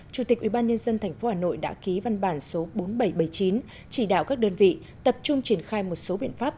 chủ tịch ubnd tp hà nội đã ký văn bản số bốn nghìn bảy trăm bảy mươi chín chỉ đạo các đơn vị tập trung triển khai một số biện pháp